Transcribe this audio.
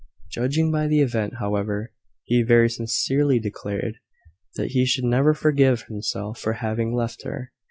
Judging by the event, however, he very sincerely declared that he should never forgive himself for having left her.